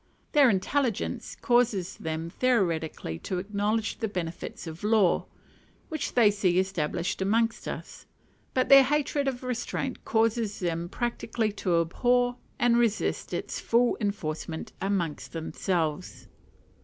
Their intelligence causes them theoretically to acknowledge the benefits of law, which they see established amongst us; but their hatred of restraint causes them practically to abhor and resist its full enforcement amongst themselves.